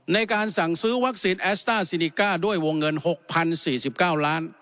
ในการสั่งซื้อวัคซีนแอสต้าซินิก้าด้วยวงเงินหกพันสี่สิบเก้าร้าน